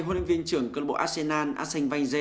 hội luyện viên trưởng cơ bộ arsenal